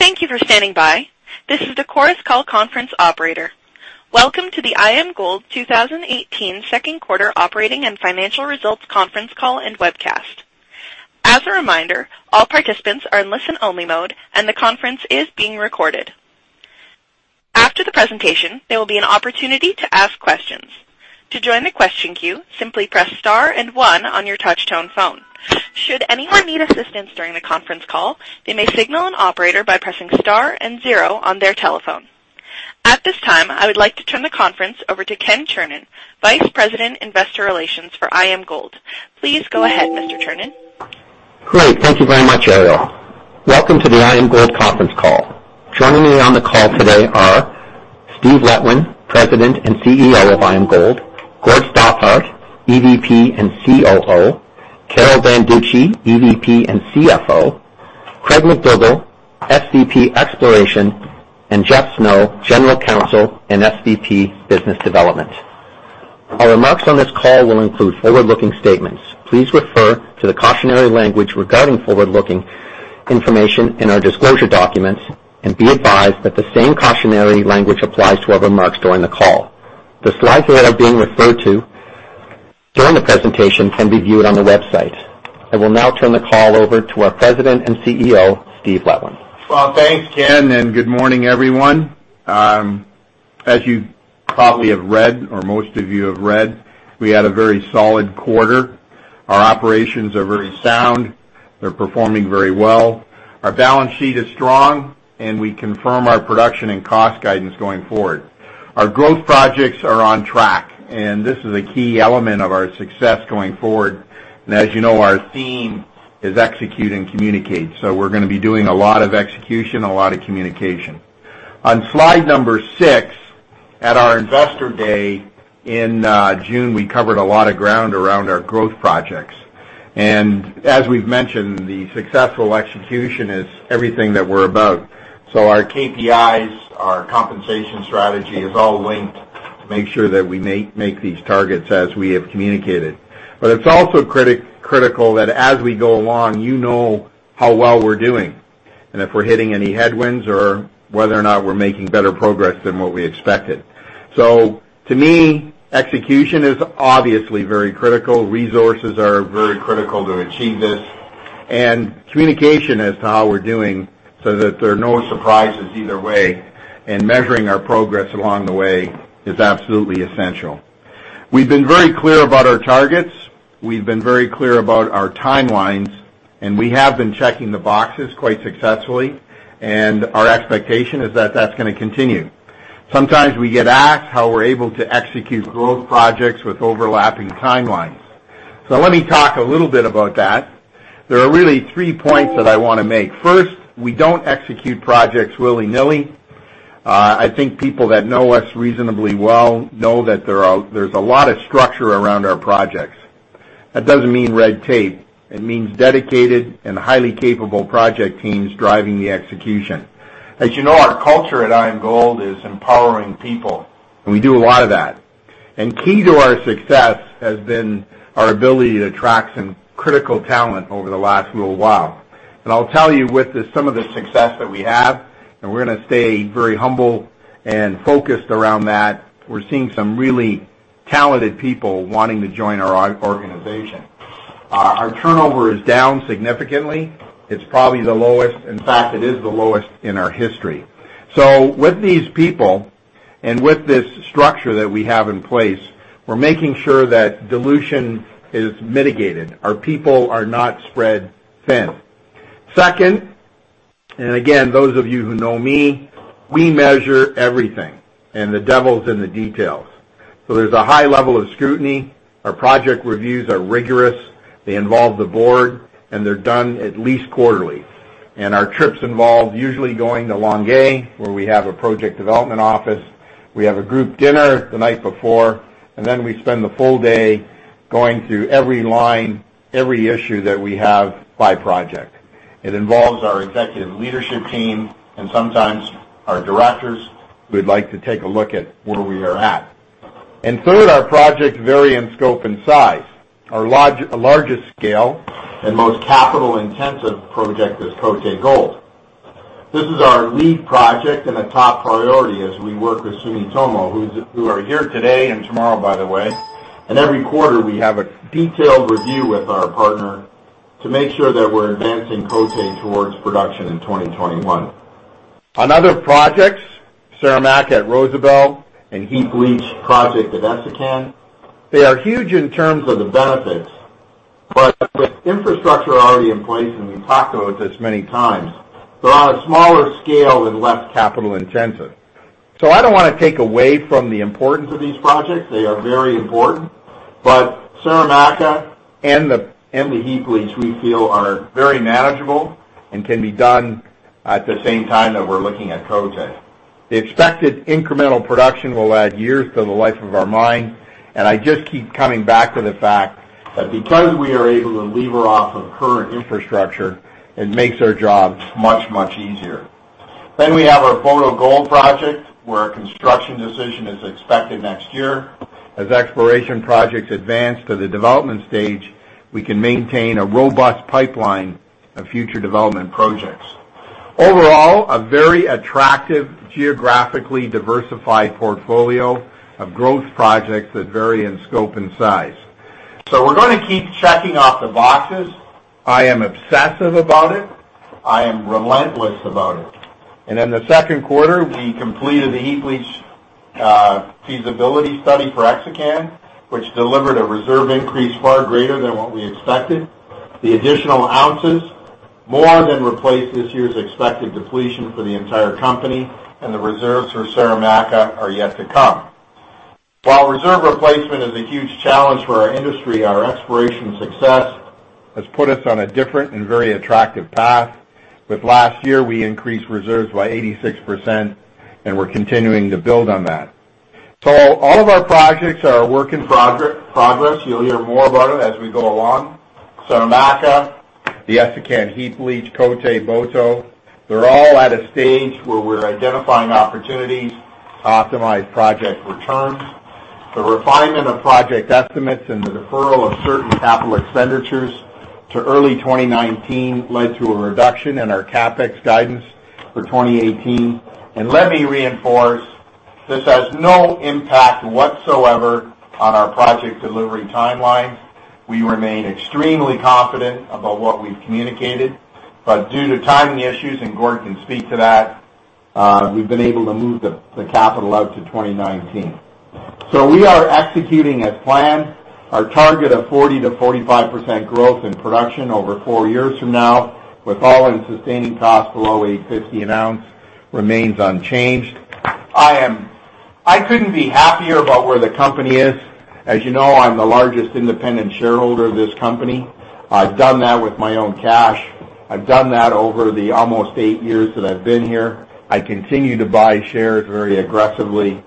Thank you for standing by. This is the Chorus Call Conference Operator. Welcome to the IAMGOLD 2018 second quarter operating and financial results conference call and webcast. As a reminder, all participants are in listen-only mode, and the conference is being recorded. After the presentation, there will be an opportunity to ask questions. To join the question queue, simply press star and one on your touch-tone phone. Should anyone need assistance during the conference call, they may signal an operator by pressing star and zero on their telephone. At this time, I would like to turn the conference over to Ken Chernin, Vice President, Investor Relations for IAMGOLD. Please go ahead, Mr. Chernin. Great. Thank you very much, Ariel. Welcome to the IAMGOLD conference call. Joining me on the call today are Stephen Letwin, President and CEO of IAMGOLD, Gordon Stothart, EVP and COO, Carol Banducci, EVP and CFO, Craig MacDougall, SVP, Exploration, and Jeffery Snow, General Counsel and SVP, Business Development. Our remarks on this call will include forward-looking statements. Please refer to the cautionary language regarding forward-looking information in our disclosure documents, and be advised that the same cautionary language applies to our remarks during the call. The slides that are being referred to during the presentation can be viewed on the website. I will now turn the call over to our President and CEO, Stephen Letwin. Well, thanks, Ken, and good morning, everyone. As you probably have read, or most of you have read, we had a very solid quarter. Our operations are very sound. They're performing very well. Our balance sheet is strong. We confirm our production and cost guidance going forward. Our growth projects are on track. This is a key element of our success going forward. As you know, our theme is execute and communicate. We're going to be doing a lot of execution, a lot of communication. On slide number six, at our Investor Day in June, we covered a lot of ground around our growth projects. As we've mentioned, the successful execution is everything that we're about. Our KPIs, our compensation strategy is all linked to make sure that we make these targets as we have communicated. It's also critical that as we go along, you know how well we're doing, and if we're hitting any headwinds or whether or not we're making better progress than what we expected. To me, execution is obviously very critical. Resources are very critical to achieve this. Communication as to how we're doing so that there are no surprises either way. Measuring our progress along the way is absolutely essential. We've been very clear about our targets, we've been very clear about our timelines. We have been checking the boxes quite successfully. Our expectation is that that's going to continue. Sometimes we get asked how we're able to execute growth projects with overlapping timelines. Let me talk a little bit about that. There are really three points that I want to make. First, we don't execute projects willy-nilly. I think people that know us reasonably well know that there's a lot of structure around our projects. That doesn't mean red tape. It means dedicated and highly capable project teams driving the execution. As you know, our culture at IAMGOLD is empowering people, and we do a lot of that. Key to our success has been our ability to attract some critical talent over the last little while. I'll tell you with some of the success that we have, and we're going to stay very humble and focused around that, we're seeing some really talented people wanting to join our organization. Our turnover is down significantly. It's probably the lowest. In fact, it is the lowest in our history. With these people and with this structure that we have in place, we're making sure that dilution is mitigated. Our people are not spread thin. Second, again, those of you who know me, we measure everything, and the devil's in the details. There's a high level of scrutiny. Our project reviews are rigorous. They involve the board, and they're done at least quarterly. Our trips involve usually going to Longueuil, where we have a project development office. We have a group dinner the night before, and then we spend the full day going through every line, every issue that we have by project. It involves our executive leadership team and sometimes our directors, who would like to take a look at where we are at. Third, our projects vary in scope and size. Our largest scale and most capital-intensive project is Côté Gold. This is our lead project and a top priority as we work with Sumitomo, who are here today and tomorrow, by the way. Every quarter, we have a detailed review with our partner to make sure that we're advancing Côté towards production in 2021. On other projects, Saramacca at Rosebel and heap leach project at Essakane, they are huge in terms of the benefits, but with infrastructure already in place, and we've talked about this many times, they're on a smaller scale and less capital intensive. I don't want to take away from the importance of these projects. They are very important, but Saramacca and the heap leach, we feel, are very manageable and can be done at the same time that we're looking at Côté. The expected incremental production will add years to the life of our mine, and I just keep coming back to the fact that because we are able to lever off of current infrastructure, it makes our jobs much, much easier. We have our Boto Gold Project, where a construction decision is expected next year. As exploration projects advance to the development stage, we can maintain a robust pipeline of future development projects. Overall, a very attractive, geographically diversified portfolio of growth projects that vary in scope and size. We're going to keep checking off the boxes. I am obsessive about it. I am relentless about it. In the second quarter, we completed the heap leach feasibility study for Essakane, which delivered a reserve increase far greater than what we expected. The additional ounces more than replaced this year's expected depletion for the entire company, and the reserves for Saramacca are yet to come. While reserve replacement is a huge challenge for our industry, our exploration success has put us on a different and very attractive path with last year, we increased reserves by 86%, and we're continuing to build on that. All of our projects are a work in progress. You'll hear more about it as we go along. Saramacca, the Essakane heap leach, Côté, Boto, they're all at a stage where we're identifying opportunities to optimize project returns. The refinement of project estimates and the deferral of certain capital expenditures to early 2019 led to a reduction in our CapEx guidance for 2018. Let me reinforce, this has no impact whatsoever on our project delivery timelines. We remain extremely confident about what we've communicated. Due to timing issues, and Gord can speak to that, we've been able to move the capital out to 2019. We are executing as planned. Our target of 40%-45% growth in production over four years from now, with all-in sustaining costs below $850 an ounce remains unchanged. I couldn't be happier about where the company is. As you know, I'm the largest independent shareholder of this company. I've done that with my own cash. I've done that over the almost eight years that I've been here. I continue to buy shares very aggressively.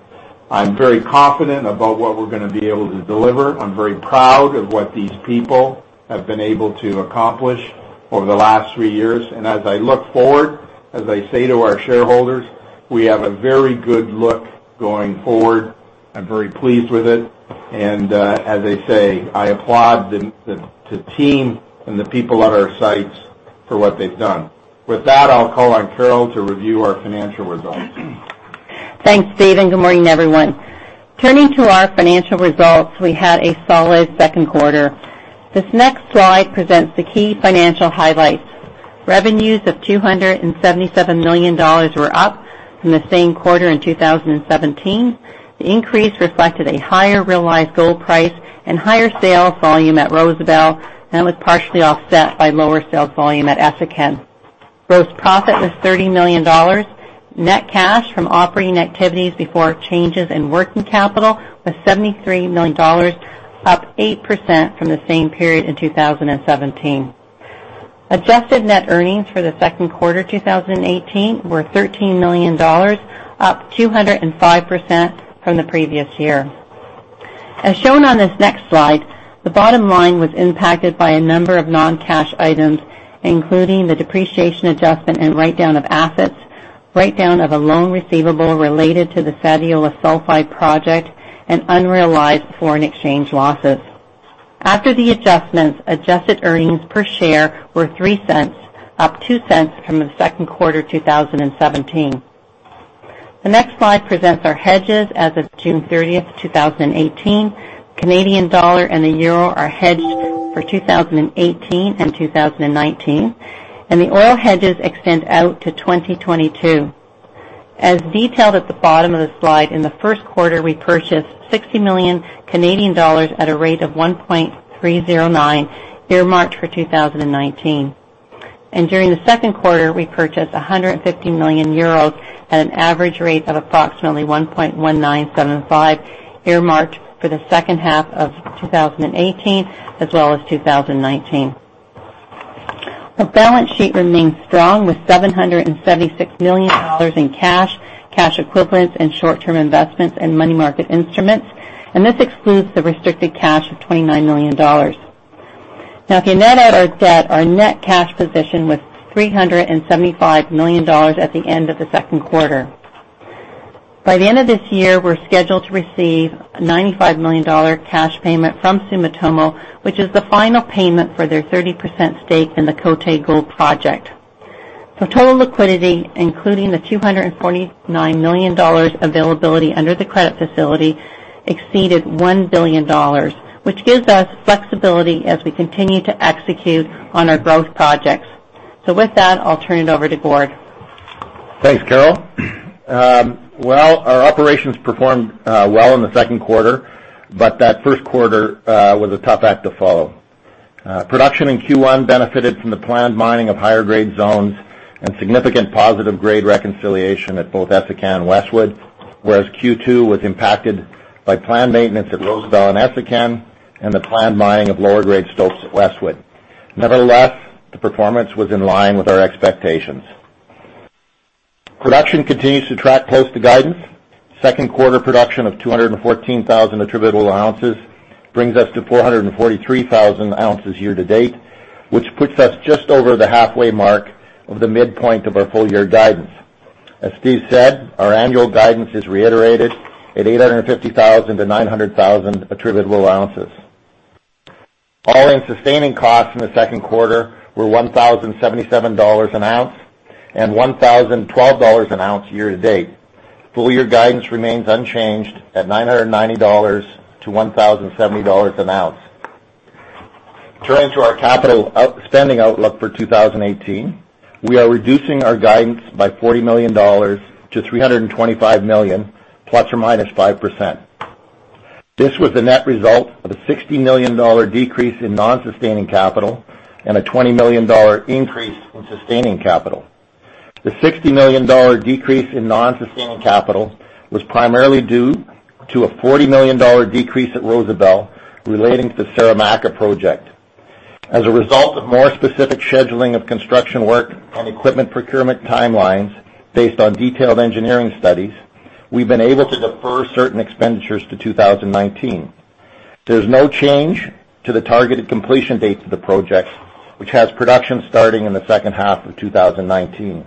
I'm very confident about what we're going to be able to deliver. I'm very proud of what these people have been able to accomplish over the last three years. As I look forward, as I say to our shareholders, we have a very good look going forward. I'm very pleased with it. As I say, I applaud the team and the people at our sites for what they've done. With that, I'll call on Carol to review our financial results. Thanks, Stephen. Good morning, everyone. Turning to our financial results, we had a solid second quarter. This next slide presents the key financial highlights. Revenues of $277 million were up from the same quarter in 2017. The increase reflected a higher realized gold price and higher sales volume at Rosebel, and it was partially offset by lower sales volume at Essakane. Gross profit was $30 million. Net cash from operating activities before changes in working capital was $73 million, up 8% from the same period in 2017. Adjusted net earnings for the second quarter 2018 were $13 million, up 205% from the previous year. As shown on this next slide, the bottom line was impacted by a number of non-cash items, including the depreciation adjustment and write-down of assets, write-down of a loan receivable related to the Sadiola Sulphide Project, and unrealized foreign exchange losses. After the adjustments, adjusted earnings per share were 0.03, up 0.02 from the second quarter 2017. The next slide presents our hedges as of June 30, 2018. The Canadian dollar and the euro are hedged for 2018 and 2019, and the oil hedges extend out to 2022. As detailed at the bottom of the slide, in the first quarter, we purchased 60 million Canadian dollars at a rate of 1.309, earmarked for 2019. During the second quarter, we purchased 150 million euros at an average rate of approximately 1.1975, earmarked for the second half of 2018 as well as 2019. Our balance sheet remains strong with 776 million dollars in cash equivalents, and short-term investments in money market instruments, and this excludes the restricted cash of 29 million dollars. If you net out our debt, our net cash position was 375 million dollars at the end of the second quarter. By the end of this year, we're scheduled to receive a 95 million dollar cash payment from Sumitomo, which is the final payment for their 30% stake in the Côté Gold Project. Total liquidity, including the 249 million dollars availability under the credit facility, exceeded 1 billion dollars, which gives us flexibility as we continue to execute on our growth projects. With that, I'll turn it over to Gord. Thanks, Carol. Our operations performed well in the second quarter, but that first quarter was a tough act to follow. Production in Q1 benefited from the planned mining of higher grade zones and significant positive grade reconciliation at both Essakane and Westwood, whereas Q2 was impacted by planned maintenance at Rosebel and Essakane and the planned mining of lower grade stopes at Westwood. Nevertheless, the performance was in line with our expectations. Production continues to track close to guidance. Second quarter production of 214,000 attributable ounces brings us to 443,000 ounces year to date, which puts us just over the halfway mark of the midpoint of our full year guidance. As Steve said, our annual guidance is reiterated at 850,000-900,000 attributable ounces. All-in sustaining costs in the second quarter were 1,077 dollars an ounce and 1,012 dollars an ounce year to date. Full year guidance remains unchanged at 990-1,070 dollars an ounce. Turning to our capital spending outlook for 2018, we are reducing our guidance by 40 million dollars to 325 million, ±5%. This was the net result of a 60 million dollar decrease in non-sustaining capital and a 20 million dollar increase in sustaining capital. The 60 million dollar decrease in non-sustaining capital was primarily due to a 40 million dollar decrease at Rosebel relating to the Saramacca project. As a result of more specific scheduling of construction work and equipment procurement timelines based on detailed engineering studies, we've been able to defer certain expenditures to 2019. There's no change to the targeted completion date of the project, which has production starting in the second half of 2019.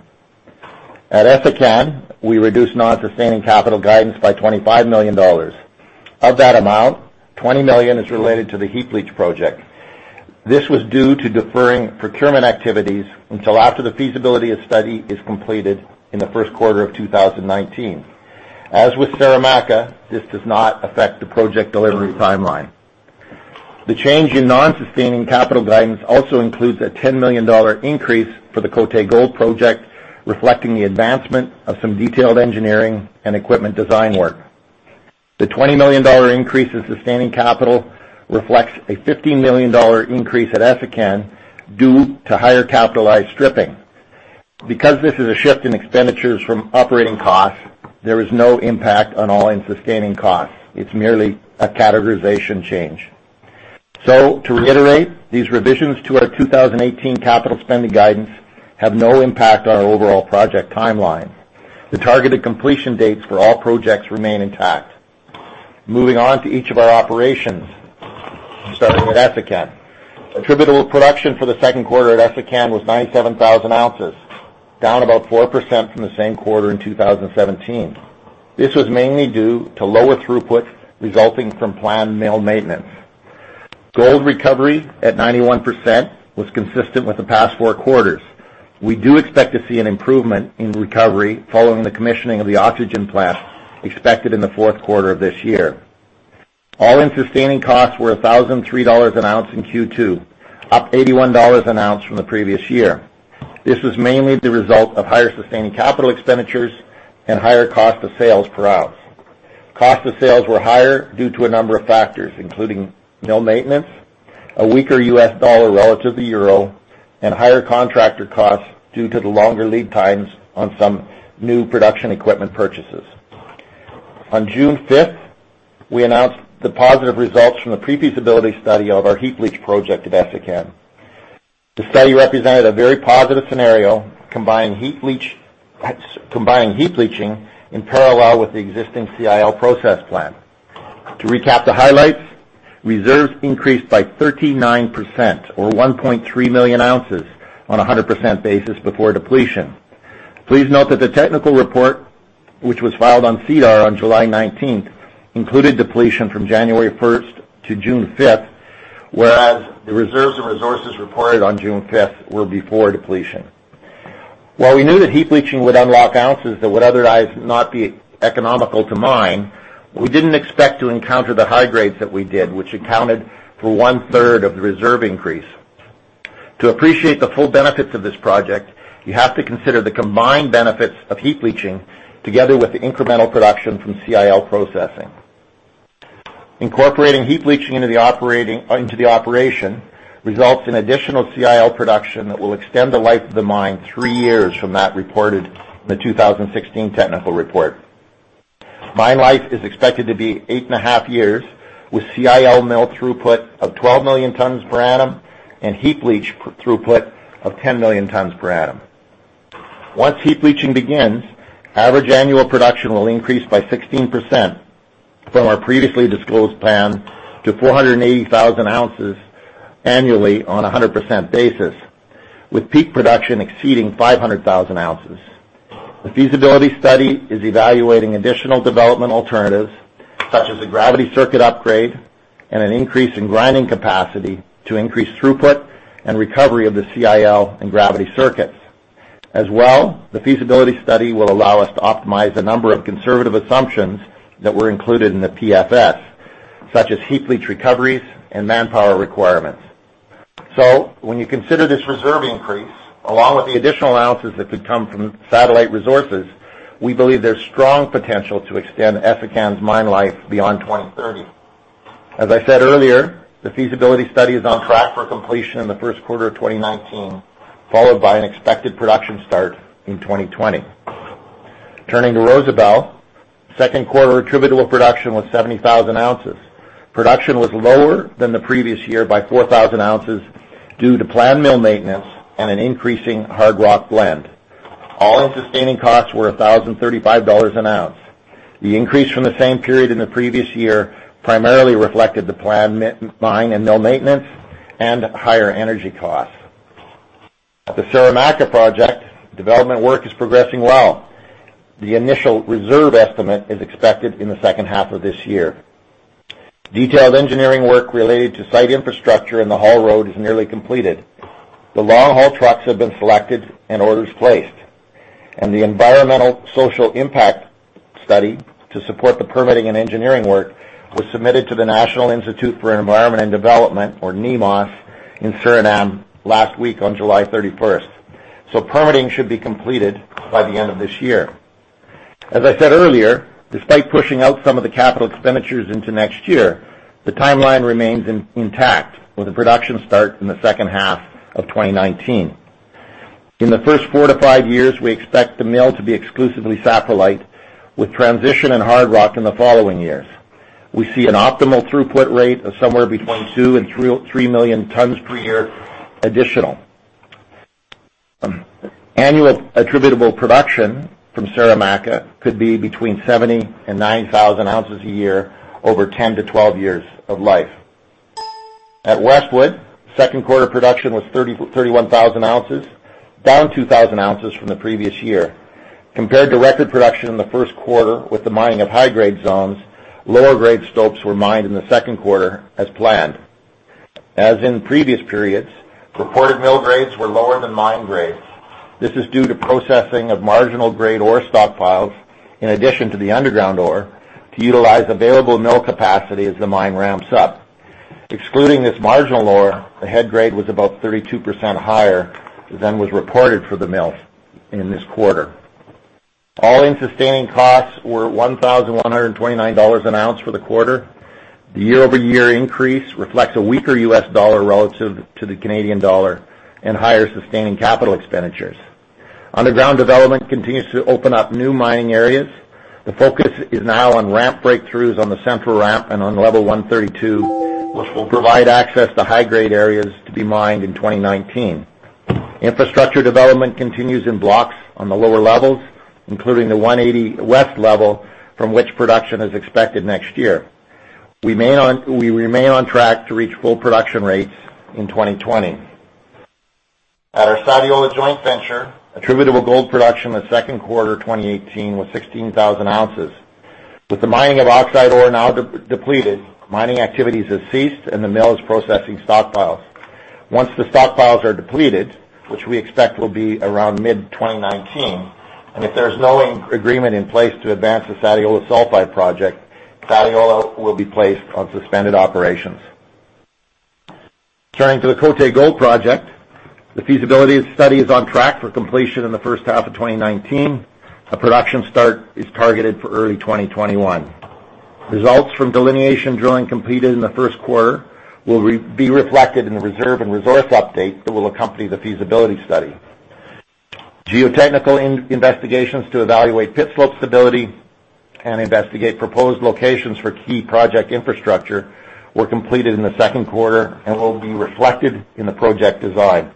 At Essakane, we reduced non-sustaining capital guidance by $25 million. Of that amount, $20 million is related to the heap leach project. This was due to deferring procurement activities until after the feasibility of study is completed in the first quarter of 2019. As with Saramacca, this does not affect the project delivery timeline. The change in non-sustaining capital guidance also includes a $10 million increase for the Côté Gold project, reflecting the advancement of some detailed engineering and equipment design work. The $20 million increase in sustaining capital reflects a $15 million increase at Essakane due to higher capitalized stripping. Because this is a shift in expenditures from operating costs, there is no impact on all-in sustaining costs. It's merely a categorization change. To reiterate, these revisions to our 2018 capital spending guidance have no impact on our overall project timeline. The targeted completion dates for all projects remain intact. Moving on to each of our operations, starting with Essakane. Attributable production for the second quarter at Essakane was 97,000 ounces, down about 4% from the same quarter in 2017. This was mainly due to lower throughput resulting from planned mill maintenance. Gold recovery at 91% was consistent with the past four quarters. We do expect to see an improvement in recovery following the commissioning of the oxygen plant expected in the fourth quarter of this year. All-in sustaining costs were $1,003 an ounce in Q2, up $81 an ounce from the previous year. This was mainly the result of higher sustaining capital expenditures and higher cost of sales per ounce. Cost of sales were higher due to a number of factors, including mill maintenance, a weaker US dollar relative to euro, and higher contractor costs due to the longer lead times on some new production equipment purchases. On June 5th, we announced the positive results from the pre-feasibility study of our heap leach project at Essakane. The study represented a very positive scenario, combining heap leaching in parallel with the existing CIL process plant. To recap the highlights, reserves increased by 39% or 1.3 million ounces on 100% basis before depletion. Please note that the technical report, which was filed on SEDAR on July 19th, included depletion from January 1st to June 5th, whereas the reserves and resources reported on June 5th were before depletion. While we knew that heap leaching would unlock ounces that would otherwise not be economical to mine, we didn't expect to encounter the high grades that we did, which accounted for one-third of the reserve increase. To appreciate the full benefits of this project, you have to consider the combined benefits of heap leaching together with the incremental production from CIL processing. Incorporating heap leaching into the operation results in additional CIL production that will extend the life of the mine three years from that reported in the 2016 technical report. Mine life is expected to be eight and a half years with CIL mill throughput of 12 million tons per annum and heap leach throughput of 10 million tons per annum. Once heap leaching begins, average annual production will increase by 16% from our previously disclosed plan to 480,000 ounces annually on 100% basis, with peak production exceeding 500,000 ounces. The feasibility study is evaluating additional development alternatives, such as a gravity circuit upgrade and an increase in grinding capacity to increase throughput and recovery of the CIL and gravity circuits. As well, the feasibility study will allow us to optimize a number of conservative assumptions that were included in the PFS, such as heap leach recoveries and manpower requirements. When you consider this reserve increase, along with the additional ounces that could come from satellite resources, we believe there's strong potential to extend Essakane's mine life beyond 2030. As I said earlier, the feasibility study is on track for completion in the first quarter of 2019, followed by an expected production start in 2020. Turning to Rosebel, second quarter attributable production was 70,000 ounces. Production was lower than the previous year by 4,000 ounces due to planned mill maintenance and an increasing hard rock blend. All-in sustaining costs were $1,035 an ounce. The increase from the same period in the previous year primarily reflected the planned mine and mill maintenance and higher energy costs. At the Saramacca project, development work is progressing well. The initial reserve estimate is expected in the second half of this year. Detailed engineering work related to site infrastructure and the haul road is nearly completed. The long-haul trucks have been selected and orders placed, and the environmental social impact study to support the permitting and engineering work was submitted to the National Institute for Environment and Development, or NIMOS, in Suriname last week on July 31st. Permitting should be completed by the end of this year. As I said earlier, despite pushing out some of the capital expenditures into next year, the timeline remains intact with a production start in the second half of 2019. In the first four to five years, we expect the mill to be exclusively saprolite, with transition and hard rock in the following years. We see an optimal throughput rate of somewhere between two and three million tons per year additional. Annual attributable production from Saramacca could be between 70,000 and 90,000 ounces a year over 10 to 12 years of life. At Westwood, second quarter production was 31,000 ounces, down 2,000 ounces from the previous year. Compared to record production in the first quarter with the mining of high-grade zones, lower grade stopes were mined in the second quarter as planned. As in previous periods, reported mill grades were lower than mine grades. This is due to processing of marginal grade ore stockpiles, in addition to the underground ore, to utilize available mill capacity as the mine ramps up. Excluding this marginal ore, the head grade was about 32% higher than was reported for the mill in this quarter. All-in sustaining costs were $1,129 an ounce for the quarter. The year-over-year increase reflects a weaker US dollar relative to the Canadian dollar and higher sustaining capital expenditures. Underground development continues to open up new mining areas. The focus is now on ramp breakthroughs on the central ramp and on level 132, which will provide access to high-grade areas to be mined in 2019. Infrastructure development continues in blocks on the lower levels, including the 180 west level, from which production is expected next year. We remain on track to reach full production rates in 2020. At our Sadiola joint venture, attributable gold production in the second quarter 2018 was 16,000 ounces. With the mining of oxide ore now depleted, mining activities have ceased, and the mill is processing stockpiles. Once the stockpiles are depleted, which we expect will be around mid-2019, and if there's no agreement in place to advance the Sadiola Sulphide Project, Sadiola will be placed on suspended operations. Turning to the Côté Gold Project, the feasibility study is on track for completion in the first half of 2019. A production start is targeted for early 2021. Results from delineation drilling completed in the first quarter will be reflected in the reserve and resource update that will accompany the feasibility study. Geotechnical investigations to evaluate pit slope stability and investigate proposed locations for key project infrastructure were completed in the second quarter and will be reflected in the project design.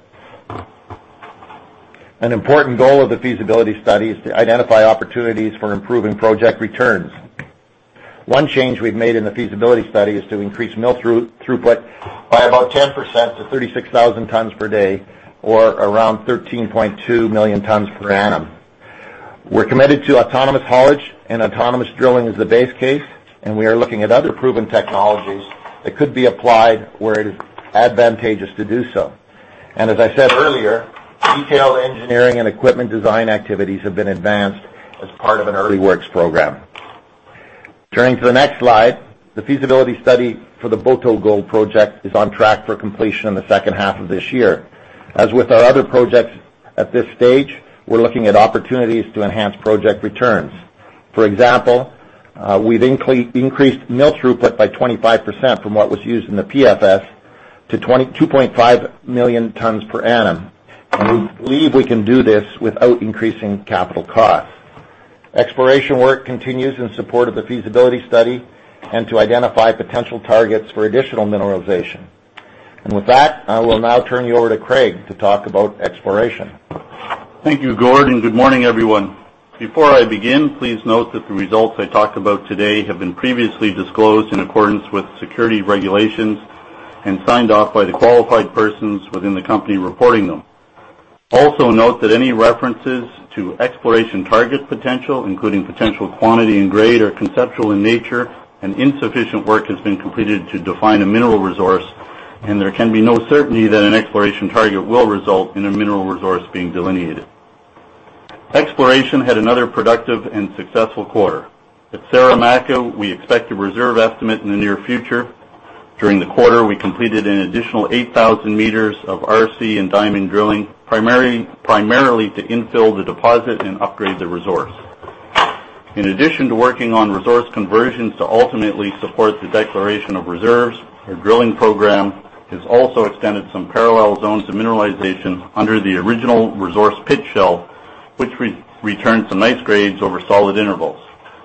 An important goal of the feasibility study is to identify opportunities for improving project returns. One change we've made in the feasibility study is to increase mill throughput by about 10% to 36,000 tons per day, or around 13.2 million tons per annum. We're committed to autonomous haulage and autonomous drilling as the base case, and we are looking at other proven technologies that could be applied where it is advantageous to do so. As I said earlier, detailed engineering and equipment design activities have been advanced as part of an early works program. Turning to the next slide, the feasibility study for the Boto Gold Project is on track for completion in the second half of this year. As with our other projects, at this stage, we're looking at opportunities to enhance project returns. For example, we've increased mill throughput by 25% from what was used in the PFS to 2.5 million tons per annum. We believe we can do this without increasing capital costs. Exploration work continues in support of the feasibility study and to identify potential targets for additional mineralization. With that, I will now turn you over to Craig to talk about exploration. Thank you, Gord, and good morning, everyone. Before I begin, please note that the results I talk about today have been previously disclosed in accordance with security regulations and signed off by the qualified persons within the company reporting them. Also, note that any references to exploration target potential, including potential quantity and grade, are conceptual in nature and insufficient work has been completed to define a mineral resource, and there can be no certainty that an exploration target will result in a mineral resource being delineated. Exploration had another productive and successful quarter. At Saramacca, we expect a reserve estimate in the near future. During the quarter, we completed an additional 8,000 meters of RC and diamond drilling, primarily to infill the deposit and upgrade the resource. In addition to working on resource conversions to ultimately support the declaration of reserves, our drilling program has also extended some parallel zones of mineralization under the original resource pit shell, which returned some nice grades over solid intervals.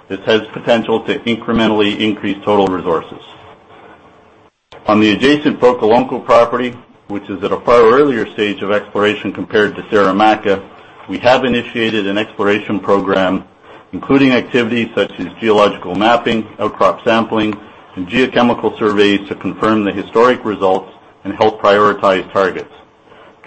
This has potential to incrementally increase total resources. On the adjacent Fokolongko property, which is at a far earlier stage of exploration compared to Saramacca, we have initiated an exploration program, including activities such as geological mapping, outcrop sampling, and geochemical surveys to confirm the historic results and help prioritize targets.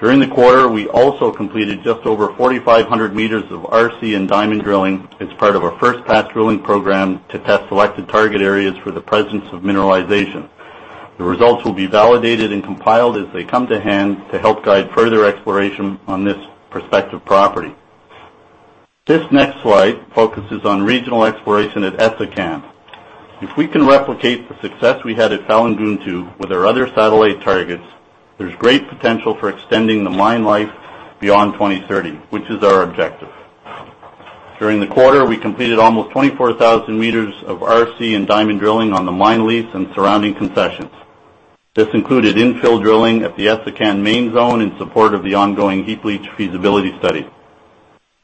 During the quarter, we also completed just over 4,500 meters of RC and diamond drilling as part of our first pass drilling program to test selected target areas for the presence of mineralization. The results will be validated and compiled as they come to hand to help guide further exploration on this prospective property. This next slide focuses on regional exploration at Essakane. If we can replicate the success we had at Falagountou with our other satellite targets, there's great potential for extending the mine life beyond 2030, which is our objective. During the quarter, we completed almost 24,000 meters of RC and diamond drilling on the mine lease and surrounding concessions. This included infill drilling at the Essakane main zone in support of the ongoing heap leach feasibility study.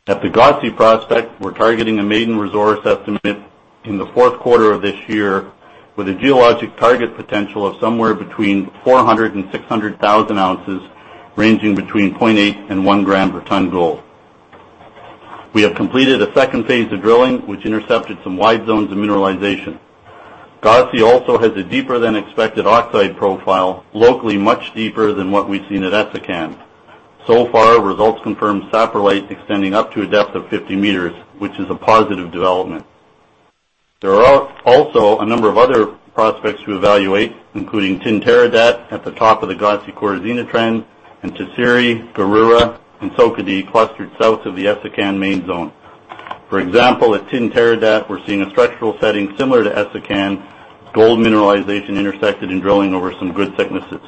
At the Gossey prospect, we're targeting a maiden resource estimate in the fourth quarter of this year, with a geologic target potential of somewhere between 400,000 and 600,000 ounces, ranging between 0.8 and one gram per tonne gold. We have completed a second phase of drilling, which intercepted some wide zones of mineralization. Gossey also has a deeper than expected oxide profile, locally much deeper than what we've seen at Essakane. So far, results confirm saprolite extending up to a depth of 50 meters, which is a positive development. There are also a number of other prospects to evaluate, including Tintéradat at the top of the Gossey-Korizena trend and Tassiri, Garoura, and Sokode, clustered south of the Essakane main zone. For example, at Tintéradat, we're seeing a structural setting similar to Essakane, gold mineralization intersected in drilling over some good thicknesses.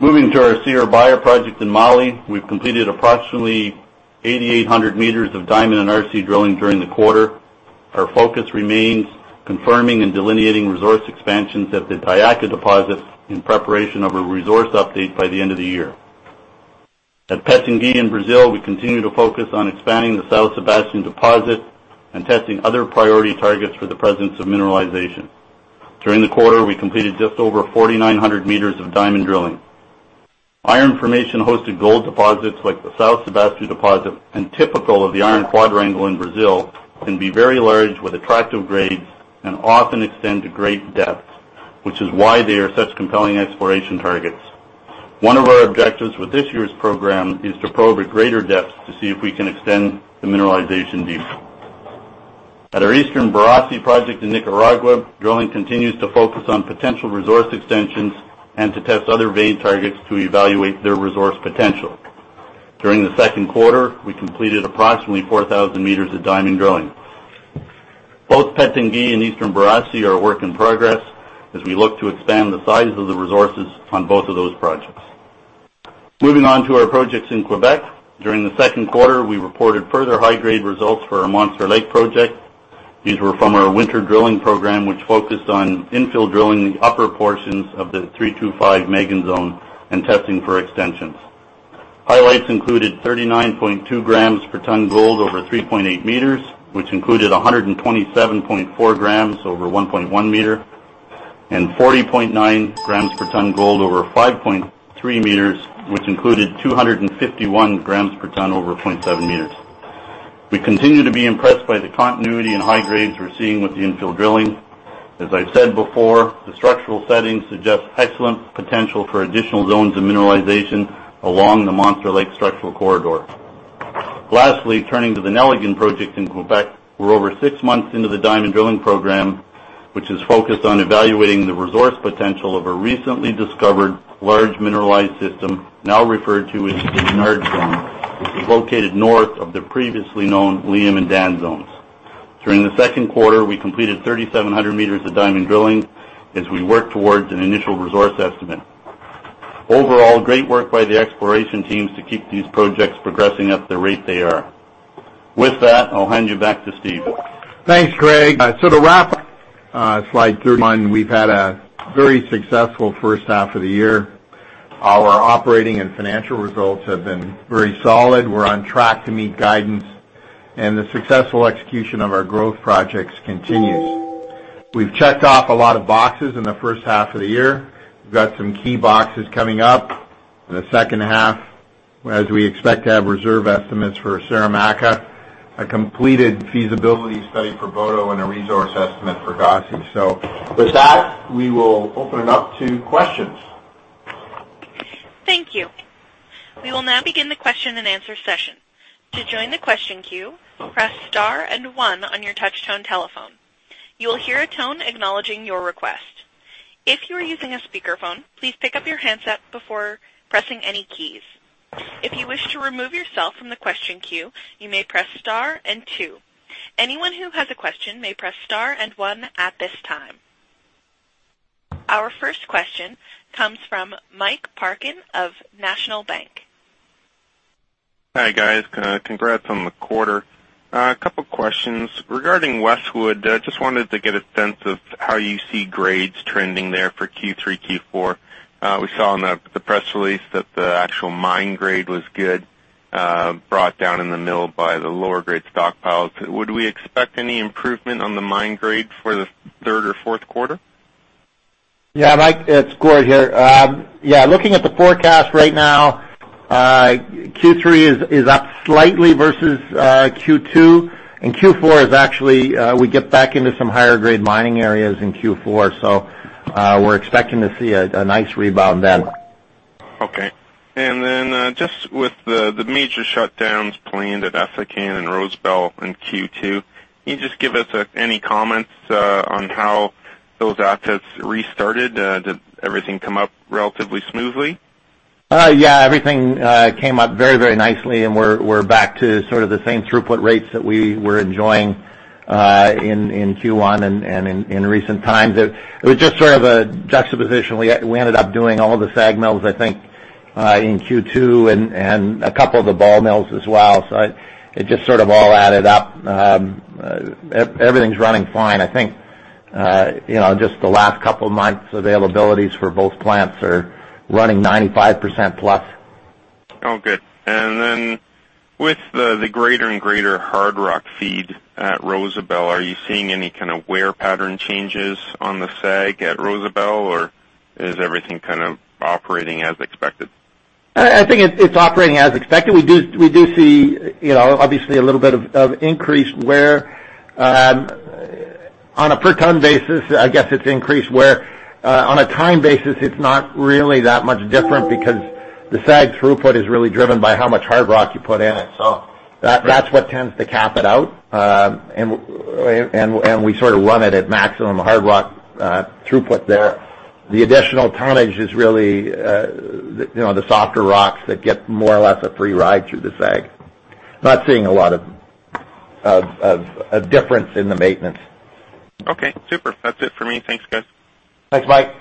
Moving to our Siribaya project in Mali, we've completed approximately 8,800 meters of diamond and RC drilling during the quarter. Our focus remains confirming and delineating resource expansions at the Tiaka deposit in preparation of a resource update by the end of the year. At Pitangui in Brazil, we continue to focus on expanding the São Sebastião deposit and testing other priority targets for the presence of mineralization. During the quarter, we completed just over 4,900 meters of diamond drilling. Iron formation hosted gold deposits like the São Sebastião deposit and typical of the iron quadrangle in Brazil can be very large with attractive grades and often extend to great depths, which is why they are such compelling exploration targets. One of our objectives with this year's program is to probe at greater depths to see if we can extend the mineralization deeper. At our Eastern Borosi project in Nicaragua, drilling continues to focus on potential resource extensions and to test other vein targets to evaluate their resource potential. During the second quarter, we completed approximately 4,000 meters of diamond drilling. Both Pitangui and Eastern Borosi are a work in progress as we look to expand the size of the resources on both of those projects. Moving on to our projects in Quebec. During the second quarter, we reported further high-grade results for our Monster Lake project. These were from our winter drilling program, which focused on infill drilling the upper portions of the 325 Meg Zone and testing for extensions. Highlights included 39.2 grams per tonne gold over 3.8 meters, which included 127.4 grams over 1.1 meter and 40.9 grams per tonne gold over 5.3 meters, which included 251 grams per tonne over 0.7 meters. We continue to be impressed by the continuity and high grades we're seeing with the infill drilling. As I've said before, the structural setting suggests excellent potential for additional zones of mineralization along the Monster Lake structural corridor. Lastly, turning to the Nelligan project in Quebec, we're over 6 months into the diamond drilling program, which is focused on evaluating the resource potential of a recently discovered large mineralized system now referred to as the Bernard Zone, which is located north of the previously known Liam and Dan zones. During the second quarter, we completed 3,700 meters of diamond drilling as we work towards an initial resource estimate. Overall, great work by the exploration teams to keep these projects progressing at the rate they are. With that, I'll hand you back to Steve. Thanks, Craig. To wrap up slide 31, we've had a very successful first half of the year. Our operating and financial results have been very solid. We're on track to meet guidance, and the successful execution of our growth projects continues. We've checked off a lot of boxes in the first half of the year. We've got some key boxes coming up in the second half as we expect to have reserve estimates for Saramacca, a completed feasibility study for Boto, and a resource estimate for Gossey. With that, we will open it up to questions. Thank you. We will now begin the question and answer session. To join the question queue, press star and one on your touch tone telephone. You will hear a tone acknowledging your request. If you are using a speakerphone, please pick up your handset before pressing any keys. If you wish to remove yourself from the question queue, you may press star and two. Anyone who has a question may press star and one at this time. Our first question comes from Mike Parkin of National Bank. Hi, guys. Congrats on the quarter. A couple questions. Regarding Westwood, I just wanted to get a sense of how you see grades trending there for Q3, Q4. We saw in the press release that the actual mine grade was good, brought down in the mill by the lower grade stockpiles. Would we expect any improvement on the mine grade for the third or fourth quarter? Yeah, Mike. It's Gord here. Yeah. Looking at the forecast right now, Q3 is up slightly versus Q2. Q4 is actually, we get back into some higher grade mining areas in Q4. We're expecting to see a nice rebound then. Okay. Then just with the major shutdowns planned at Essakane and Rosebel in Q2, can you just give us any comments on how those assets restarted? Did everything come up relatively smoothly? Yeah. Everything came up very, very nicely. We're back to sort of the same throughput rates that we were enjoying in Q1 and in recent times. It was just sort of a juxtaposition. We ended up doing all the SAG mills, I think, in Q2 and a couple of the ball mills as well. It just sort of all added up. Everything's running fine. I think, just the last couple of months, availabilities for both plants are running 95% plus. Good. Then with the greater and greater hard rock feed at Rosebel, are you seeing any kind of wear pattern changes on the SAG at Rosebel, or is everything kind of operating as expected? I think it's operating as expected. We do see obviously a little bit of increased wear. On a per ton basis, I guess it's increased wear. On a time basis, it's not really that much different because the SAG throughput is really driven by how much hard rock you put in it. That's what tends to cap it out. We sort of run it at maximum hard rock throughput there. The additional tonnage is really the softer rocks that get more or less a free ride through the SAG. Not seeing a lot of difference in the maintenance. Okay, super. That's it for me. Thanks, guys. Thanks, Mike.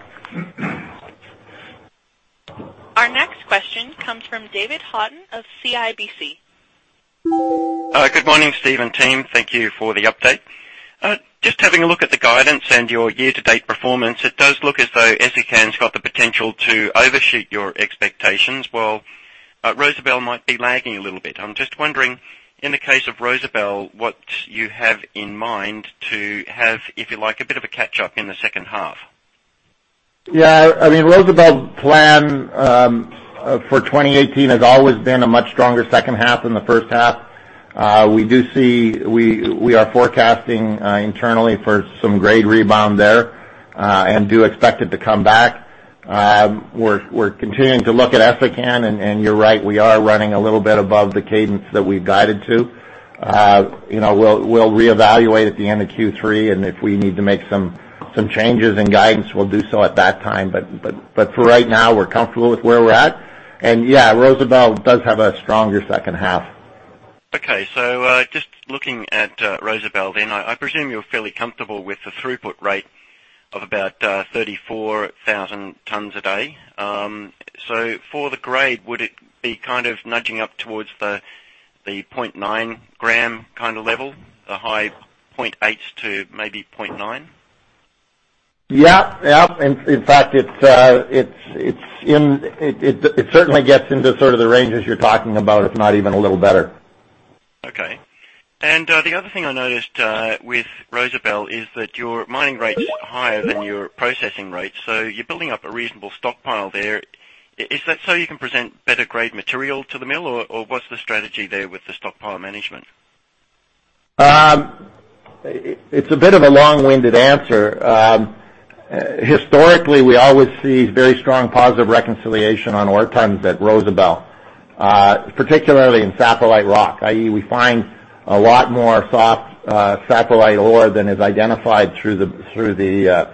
Our next question comes from David Haughton of CIBC. Hi. Good morning, Steve and team. Thank you for the update. Just having a look at the guidance and your year-to-date performance, it does look as though Essakane's got the potential to overshoot your expectations, while Rosebel might be lagging a little bit. I'm just wondering, in the case of Rosebel, what you have in mind to have, if you like, a bit of a catch-up in the second half. Yeah. I mean, Rosebel plan, for 2018, has always been a much stronger second half than the first half. We are forecasting internally for some grade rebound there. Do expect it to come back. We're continuing to look at Essakane. You're right, we are running a little bit above the cadence that we've guided to. We'll reevaluate at the end of Q3. If we need to make some changes in guidance, we'll do so at that time. For right now, we're comfortable with where we're at. Yeah, Rosebel does have a stronger second half. Okay, just looking at Rosebel then, I presume you're fairly comfortable with the throughput rate of about 34,000 tons a day. For the grade, would it be kind of nudging up towards the 0.9 gram kind of level? A high 0.8 to maybe 0.9? Yeah. In fact, it certainly gets into sort of the ranges you are talking about, if not even a little better. Okay. The other thing I noticed with Rosebel is that your mining rate's higher than your processing rate, so you're building up a reasonable stockpile there. Is that so you can present better grade material to the mill, or what's the strategy there with the stockpile management? It's a bit of a long-winded answer. Historically, we always see very strong positive reconciliation on ore tons at Rosebel, particularly in satellite rock, i.e., we find a lot more soft satellite ore than is identified through the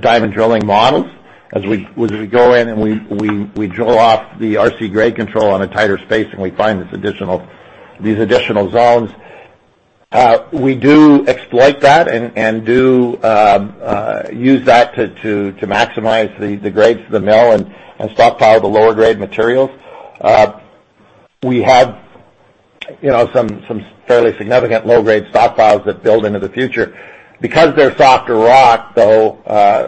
diamond drilling models. As we go in and we drill off the RC grade control on a tighter space, and we find these additional zones. We do exploit that and do use that to maximize the grades to the mill and stockpile the lower grade materials. We have some fairly significant low-grade stockpiles that build into the future. Because they're softer rock, though,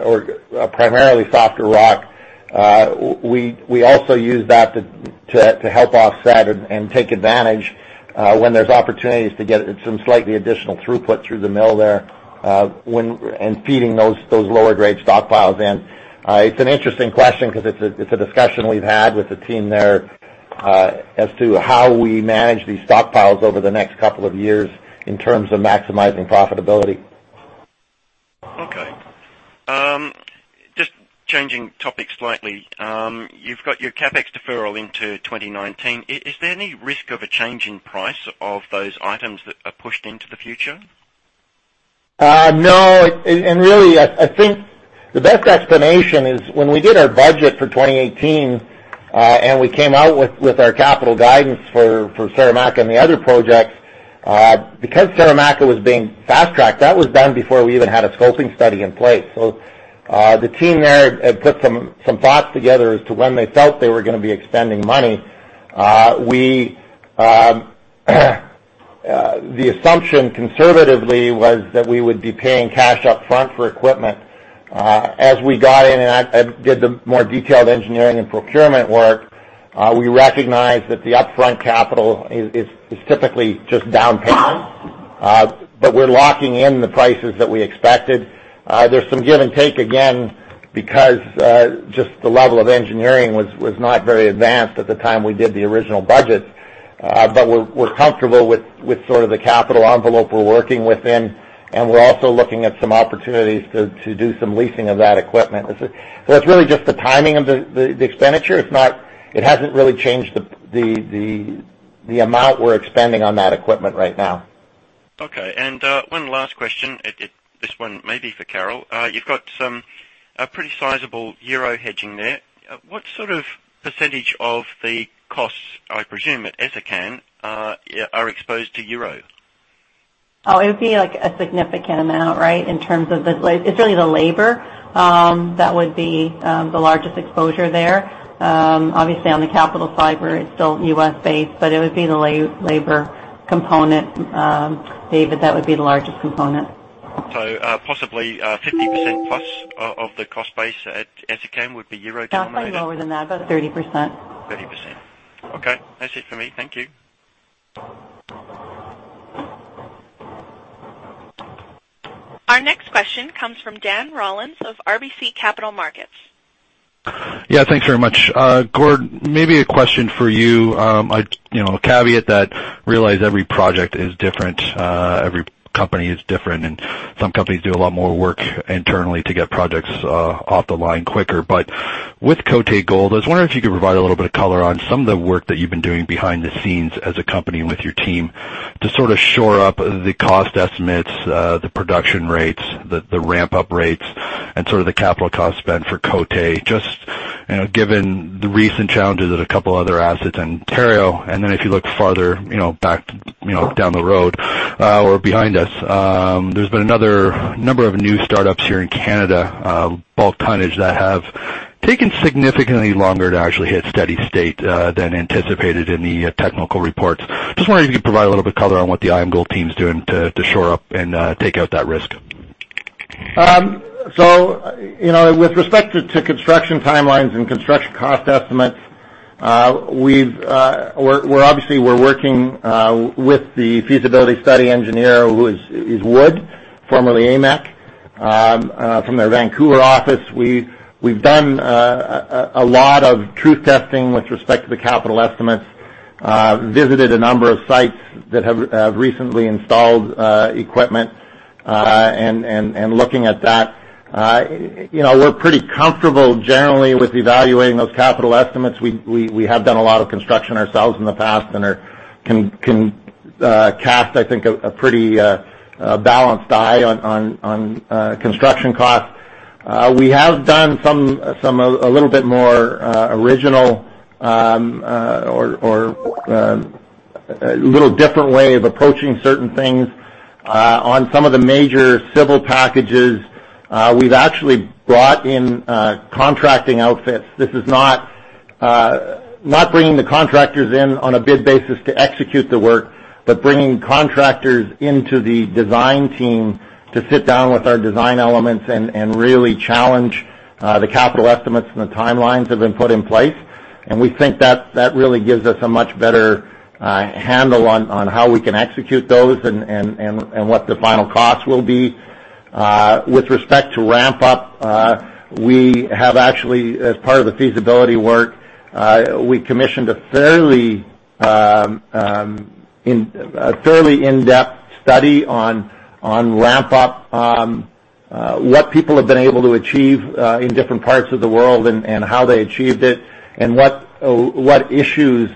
or primarily softer rock, we also use that to help offset and take advantage when there's opportunities to get some slightly additional throughput through the mill there, and feeding those lower grade stockpiles in. It's an interesting question because it's a discussion we've had with the team there as to how we manage these stockpiles over the next couple of years in terms of maximizing profitability. Okay. Just changing topics slightly. You've got your CapEx deferral into 2019. Is there any risk of a change in price of those items that are pushed into the future? No. Really, I think the best explanation is when we did our budget for 2018, we came out with our capital guidance for Saramacca and the other projects, because Saramacca was being fast-tracked, that was done before we even had a scoping study in place. The team there had put some thoughts together as to when they felt they were going to be extending money. The assumption conservatively was that we would be paying cash up front for equipment. As we got in and did the more detailed engineering and procurement work, we recognized that the upfront capital is typically just down payment, but we're locking in the prices that we expected. There's some give and take, again, because just the level of engineering was not very advanced at the time we did the original budget. We're comfortable with sort of the capital envelope we're working within, and we're also looking at some opportunities to do some leasing of that equipment. It's really just the timing of the expenditure. It hasn't really changed the amount we're expending on that equipment right now. Okay, one last question. This one may be for Carol. You've got some pretty sizable euro hedging there. What sort of percentage of the costs, I presume, at Essakane, are exposed to euro? It would be a significant amount, right? It's really the labor that would be the largest exposure there. Obviously, on the capital side, where it's still U.S.-based, it would be the labor component, David, that would be the largest component. Possibly 50% plus of the cost base at Essakane would be euro denominated? Actually lower than that, about 30%. 30%. Okay, that's it for me. Thank you. Our next question comes from Dan Rollins of RBC Capital Markets. Thanks very much. Gord, maybe a question for you. A caveat that realize every project is different, every company is different, and some companies do a lot more work internally to get projects off the line quicker. With Côté Gold, I was wondering if you could provide a little bit of color on some of the work that you've been doing behind the scenes as a company with your team to sort of shore up the cost estimates, the production rates, the ramp-up rates, and sort of the capital cost spend for Côté, just given the recent challenges at a couple other assets in Ontario. If you look farther back down the road or behind us, there's been another number of new startups here in Canada, bulk tonnage, that have taken significantly longer to actually hit steady state than anticipated in the technical reports. Just wondering if you could provide a little bit color on what the IAMGOLD team's doing to shore up and take out that risk. With respect to construction timelines and construction cost estimates, obviously we're working with the feasibility study engineer, who is Wood, formerly AMEC, from their Vancouver office. We've done a lot of truth testing with respect to the capital estimates, visited a number of sites that have recently installed equipment, and looking at that. We're pretty comfortable generally with evaluating those capital estimates. We have done a lot of construction ourselves in the past and can cast, I think, a pretty balanced eye on construction costs. We have done a little bit more original or a little different way of approaching certain things. On some of the major civil packages, we've actually brought in contracting outfits. This is not bringing the contractors in on a bid basis to execute the work, but bringing contractors into the design team to sit down with our design elements and really challenge the capital estimates and the timelines that have been put in place. We think that really gives us a much better handle on how we can execute those and what the final cost will be. With respect to ramp-up, we have actually, as part of the feasibility work, we commissioned a fairly in-depth study on ramp-up, what people have been able to achieve in different parts of the world and how they achieved it, and what issues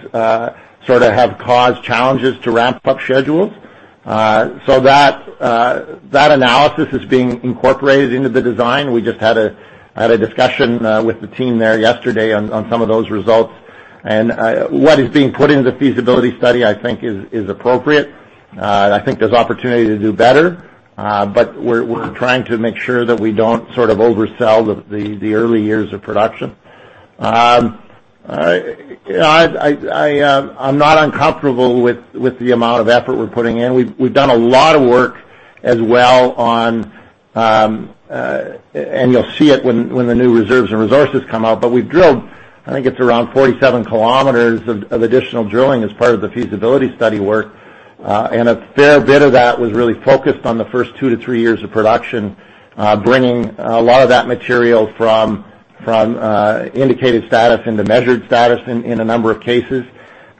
sort of have caused challenges to ramp-up schedules. That analysis is being incorporated into the design. We just had a discussion with the team there yesterday on some of those results. What is being put in the feasibility study, I think is appropriate. I think there's opportunity to do better. We're trying to make sure that we don't sort of oversell the early years of production. I'm not uncomfortable with the amount of effort we're putting in. We've done a lot of work as well on You'll see it when the new reserves and resources come out, but we've drilled, I think it's around 47 kilometers of additional drilling as part of the feasibility study work. A fair bit of that was really focused on the first two to three years of production, bringing a lot of that material from indicated status into measured status in a number of cases.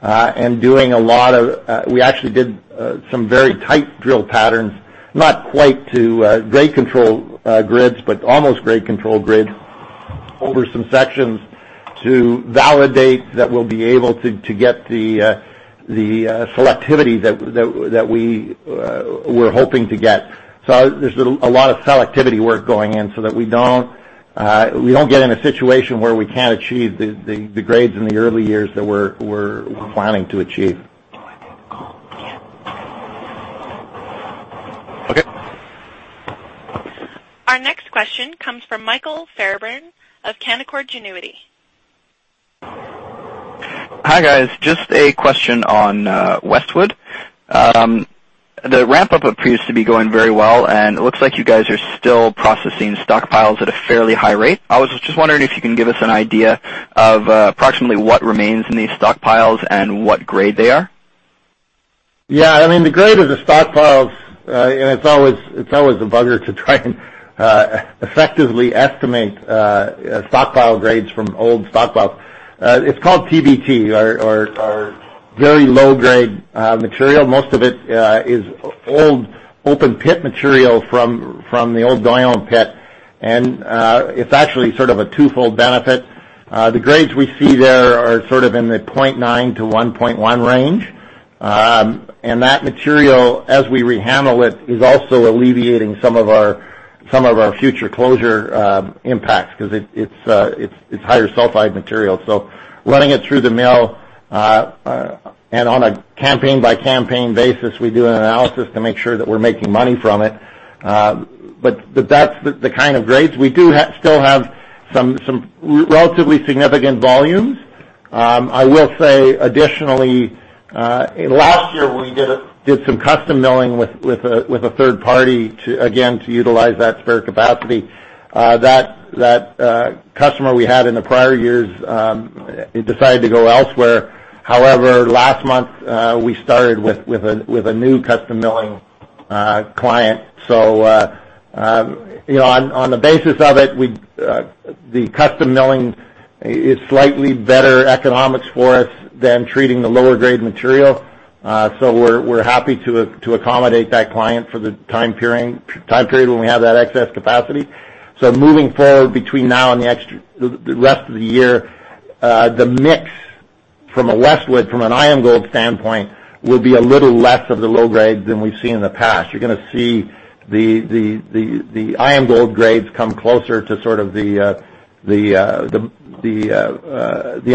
We actually did some very tight drill patterns, not quite to grade control grids, but almost grade control grids over some sections to validate that we'll be able to get the selectivity that we were hoping to get. There's a lot of selectivity work going in so that we don't get in a situation where we can't achieve the grades in the early years that we're planning to achieve. Okay. Our next question comes from Michael Fairbairn of Canaccord Genuity. Hi, guys. Just a question on Westwood. The ramp-up appears to be going very well, and it looks like you guys are still processing stockpiles at a fairly high rate. I was just wondering if you can give us an idea of approximately what remains in these stockpiles and what grade they are. Yeah. The grade of the stockpiles, it's always a bugger to try and effectively estimate stockpile grades from old stockpiles. It's called PBT or very low grade material. Most of it is old open pit material from the old Doyon pit, it's actually sort of a twofold benefit. The grades we see there are sort of in the 0.9 to 1.1 range. That material, as we rehandle it, is also alleviating some of our future closure impacts because it's higher sulfide material. Running it through the mill, on a campaign-by-campaign basis, we do an analysis to make sure that we're making money from it. That's the kind of grades. We do still have some relatively significant volumes. I will say, additionally, last year we did some custom milling with a third party, again, to utilize that spare capacity. That customer we had in the prior years decided to go elsewhere. However, last month, we started with a new custom milling client. On the basis of it, the custom milling is slightly better economics for us than treating the lower grade material. We're happy to accommodate that client for the time period when we have that excess capacity. Moving forward between now and the rest of the year, the mix from a Westwood, from an IAMGOLD standpoint, will be a little less of the low grade than we've seen in the past. You're going to see the IAMGOLD grades come closer to sort of the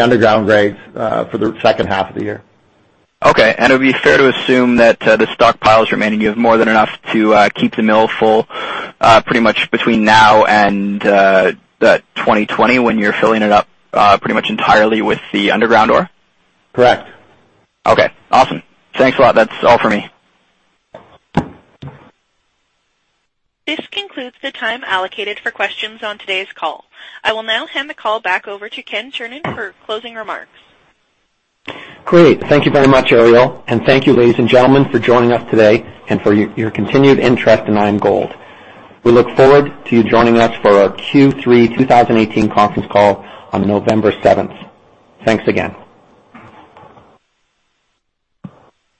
underground grades for the second half of the year. Okay. It would be fair to assume that the stockpiles remaining, you have more than enough to keep the mill full pretty much between now and 2020 when you're filling it up pretty much entirely with the underground ore? Correct. Okay, awesome. Thanks a lot. That's all for me. This concludes the time allocated for questions on today's call. I will now hand the call back over to Ken Chernin for closing remarks. Great. Thank you very much, Ariel, and thank you, ladies and gentlemen, for joining us today and for your continued interest in IAMGOLD. We look forward to you joining us for our Q3 2018 conference call on November 7th. Thanks again.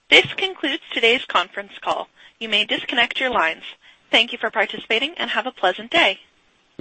This concludes today's conference call. You may disconnect your lines. Thank you for participating, and have a pleasant day.